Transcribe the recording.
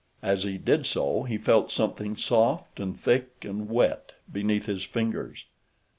As he did so he felt something soft and thick and wet beneath his fingers.